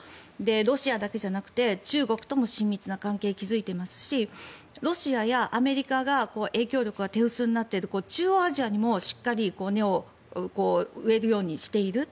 ロシアだけじゃなくて中国とも親密な関係を築いていますしロシアやアメリカが影響力が手薄になっている中央アジアにもしっかり根を植えるようにしている。